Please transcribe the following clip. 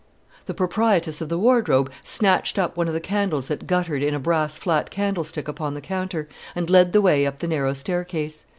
The proprietress of the wardrobe snatched up one of the candles that guttered in a brass flat candlestick upon the counter, and led the way up the narrow staircase.